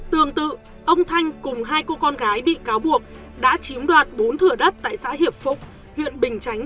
tương tự ông thanh cùng hai cô con gái bị cáo buộc đã chiếm đoạt bốn thửa đất tại xã hiệp phúc huyện bình chánh